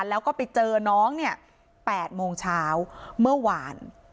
แล้วก็ไปเจอน้องเนี่ย๘โมงเช้าเมื่อวาน